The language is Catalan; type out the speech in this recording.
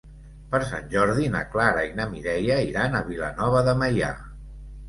Per Sant Jordi na Clara i na Mireia iran a Vilanova de Meià.